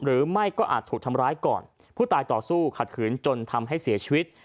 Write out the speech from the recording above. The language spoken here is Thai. หรือไม่ก็อาจถูกทำร้ายก่อนผู้ตายต่อสู้ขัดขืนจนทำให้เสียชีวิต